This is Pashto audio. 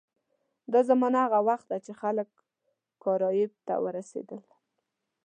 دا زمانه هغه وخت ده چې خلک کارایب ته ورسېدل.